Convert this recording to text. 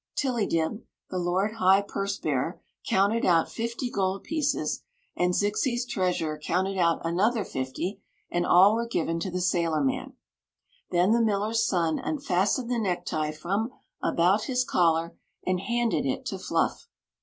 Tillydib, the lord high purse bearer, counted out fifty gold pieces, and Zixi's treasurer counted out an other fifty, and all were given to die sailorman. Then the millers son unfastened the necktie from about his collar and handed it to Fluff.